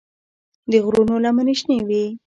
د غرونو لمنې شنه وې.